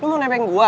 lo mau nebeng gue